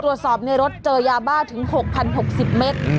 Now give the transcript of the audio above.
ตรวจสอบในรถเจอยาบ้าถึง๖๐๖๐เมตร